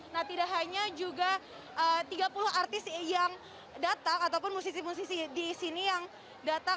nah tidak hanya juga tiga puluh artis yang datang ataupun musisi musisi di sini yang datang